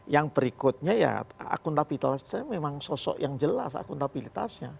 yang berikutnya ya akuntabilitasnya memang sosok yang jelas akuntabilitasnya